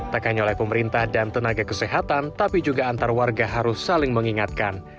tak hanya oleh pemerintah dan tenaga kesehatan tapi juga antar warga harus saling mengingatkan